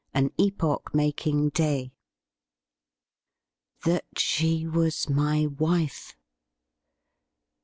AN EPOCH MAKING DAY, ' That she was my wife